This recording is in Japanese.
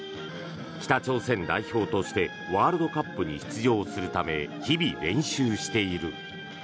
北朝鮮代表としてワールドカップに出場するため日々練習している。